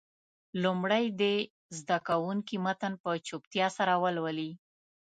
لومړی دې زده کوونکي متن په چوپتیا سره ولولي.